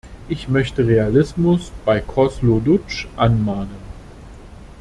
Ich möchte Realismus bei Kosloduj anmahnen.